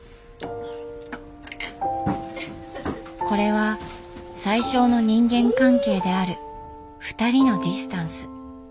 これは最少の人間関係である「ふたり」のディスタンス